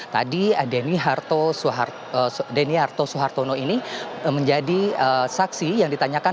tadi deni harto soehartono ini menjadi saksi yang ditanyakan